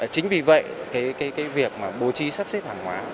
chính vì vậy việc bố trí sắp xếp hàng hóa